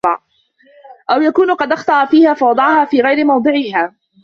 أَوْ يَكُونَ قَدْ أَخْطَأَ فِيهَا فَوَضَعَهَا فِي غَيْرِ مَوْضِعِهَا